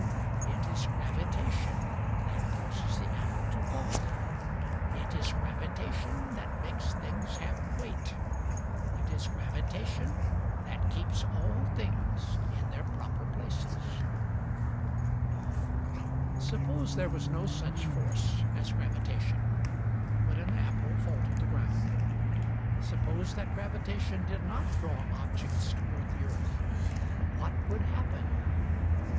" It is gravitation that causes the apple to fall. " It is gravitation that makes things have weight. " It is gravitation that keeps all things in their proper places." Suppose there was no such force as gravitation, would an apple fall to the ground .'' Suppose that gravitation did not draw objects toward the earth, what would happen